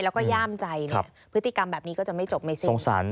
แล้วก็ย่ามใจพฤติกรรมแบบนี้ก็จะไม่จบไหมสิ